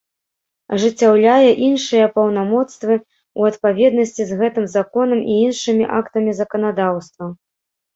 Ажыццяўляе iншыя паўнамоцтвы ў адпаведнасцi з гэтым Законам i iншымi актамi заканадаўства.